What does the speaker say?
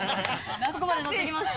ここまで乗ってきました。